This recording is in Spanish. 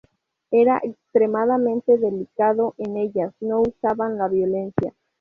Era extremadamente delicado en ellas, no usando la violencia.